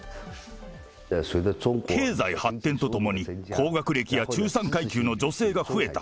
経済発展とともに、高学歴や中産階級の女性が増えた。